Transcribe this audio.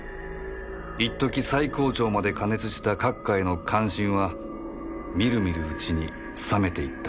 一時最高潮まで過熱した閣下への関心はみるみるうちに冷めていった